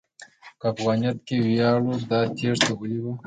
که افغانیت کې ویاړ و، دا تېښته ولې وه؟